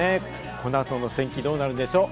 この後のお天気どうなるでしょう？